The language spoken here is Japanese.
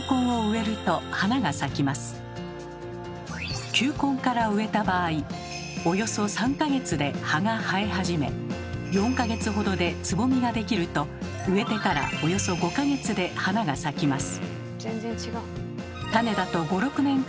この球根から植えた場合およそ３か月で葉が生え始め４か月ほどでつぼみができると植えてからおよそ５か月で花が咲きます。